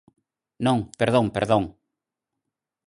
Non, perdón, perdón.